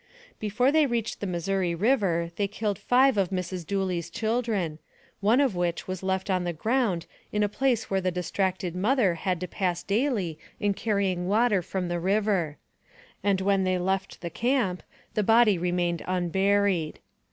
Before they reached the Missouri River they killed five of Mrs. Dooley's children, one of which was left on the ground in a place where the distracted mother had to pass daily in carrying water from the river; and when they left the camp the body remained un buried.